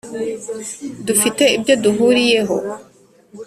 dufite ibyo duhuriyeho.